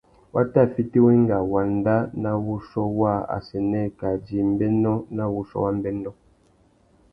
Wa tà fiti wenga wanda nà wuchiô waā assênē kā djï mbénô nà wuchiô wa mbêndô.